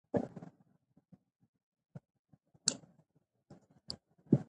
قدرت باید د خدمت وسیله وي